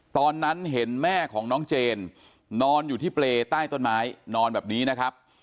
ตอนนั้นเห็นแม่ของน้องเจนนอนอยู่ที่เปรย์ใต้ต้นไม้นอนแบบนี้นะครับ